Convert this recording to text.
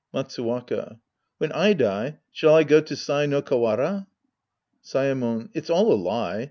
Matsuwaka. When I die, shall I go to Sai no Kawara .' Saemon. It's all a lie.